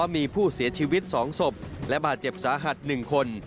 มีผู้เสียชีวิต๒ศพและบาดเจ็บสาหัส๑คน